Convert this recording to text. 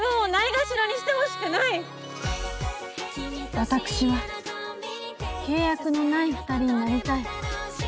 私は契約のない二人になりたい。